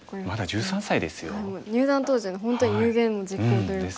もう入段当時の本当に有言実行というか。